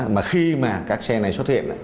mà khi mà các xe này xuất hiện